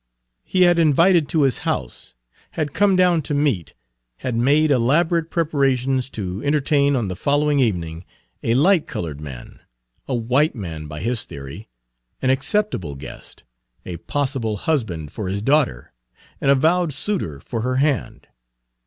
He had invited to his house, had come down to meet, had made elaborate preparations to entertain on the following evening, a light colored man, a white man by his theory, an acceptable guest, a possible husband for his daughter, an avowed Page 117 suitor for her hand.